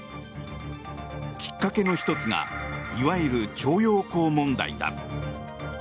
きっかけの１つがいわゆる徴用工問題だ。